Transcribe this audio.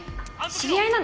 知り合いなの？